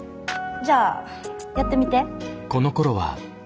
じゃあやってみて。